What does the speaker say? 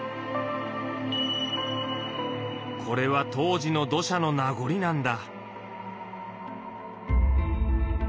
これは当時の土砂の名残なんだ。